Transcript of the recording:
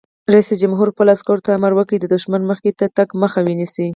رئیس جمهور خپلو عسکرو ته امر وکړ؛ د دښمن د مخکې تګ مخه ونیسئ!